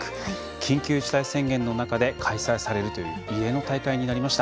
緊急事態宣言の中で開催されるという異例の大会になりました。